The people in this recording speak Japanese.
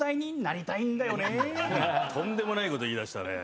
とんでもない事言い出したね。